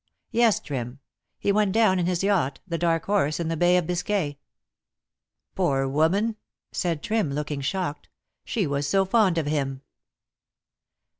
Yes, Trim. He went down in his yacht, The Dark Horse, in the Bay of Biscay." "Poor woman!" said Trim, looking shocked; "she was so fond of him."